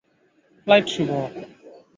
Flight শুভ হোক।